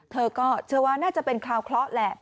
เธอก็เชื่อว่าน่าจะเป็นคราวเคราะห์แหละ